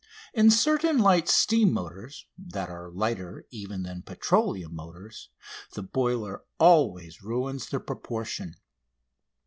In certain light steam motors, that are lighter even than petroleum motors, the boiler always ruins the proportion.